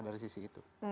dari sisi itu